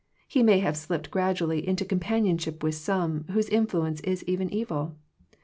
He may have slipped gradually into com panionship with some, whose influence is even evil.